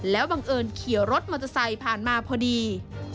แล้วบังเอิญขี่รถมอเตอร์ไซค์ผ่านมาพอดี